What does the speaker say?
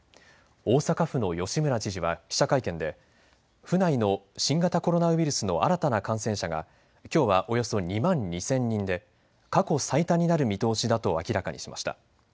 大阪府の吉村知事は記者会見で府内の新型コロナウイルスの新たな感染者がきょうはおよそ２万２０００人で過去最多になる見通しだと明らかにしました。